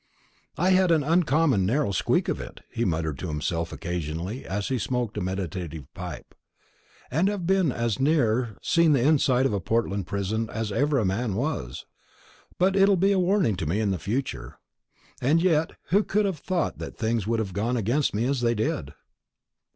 "I have had an uncommon narrow squeak of it," he muttered to himself occasionally, as he smoked a meditative pipe, "and have been as near seeing the inside of Portland prison as ever a man was. But it'll be a warning to me in future. And yet who could have thought that things would have gone against me as they did?